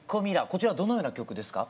こちらどのような曲ですか？